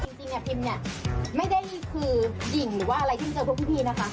จริงพิมเนี่ยไม่ได้คือหญิงหรือว่าอะไรที่เจอพวกพี่นะคะ